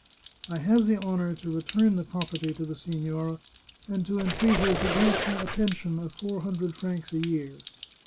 I have the honour to return the property to the signora, and to entreat her to grant me a pension of four hundred francs a year."